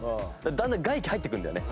だんだん外気入ってくるんだよね